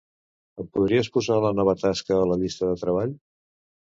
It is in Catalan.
Em podries posar la nova tasca a la llista de treball?